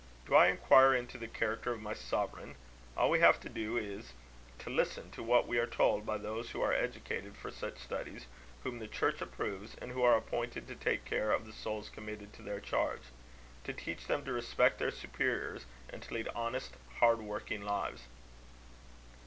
Do I inquire into the character of my sovereign? All we have to do is, to listen to what we are told by those who are educated for such studies, whom the Church approves, and who are appointed to take care of the souls committed to their charge; to teach them to respect their superiors, and to lead honest, hard working lives."